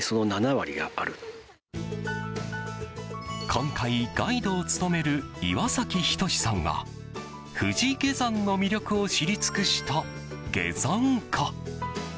今回ガイドを務める岩崎仁さんは富士下山の魅力を知り尽くした下山家。